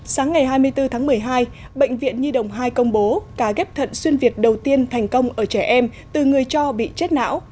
sáng ngày hai mươi bốn tháng một mươi hai bệnh viện nhi đồng hai công bố ca ghép thận xuyên việt đầu tiên thành công ở trẻ em từ người cho bị chết não